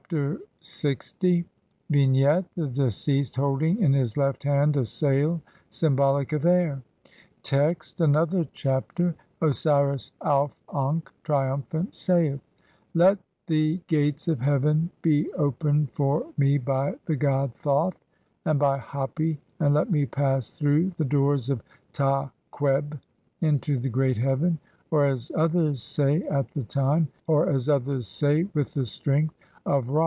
[From Lcpsius, Todtenbuch, Bl. 23.] Vignette : The deceased holding in his left hand a sail, symbolic of air. Text : (1) ANOTHER CHAPTER. Osiris Auf ankh, triumphant, saith :— "Let the gates of heaven be opened for me by the god [Thoth] "and by Hapi, and let me pass through the doors of Ta qebh 1 "into the great heaven," or (as others say), "at the time," (2) "[or (as others say)], "with the strength (?) of Ra.